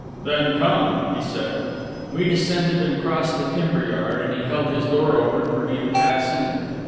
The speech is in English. "Then come," he said. We descended and crossed the timber yard, and he held his door open for me to pass in.